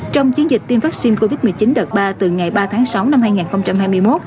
trong chiến dịch tiêm vaccine covid một mươi chín đợt ba từ ngày ba tháng sáu năm hai nghìn hai mươi một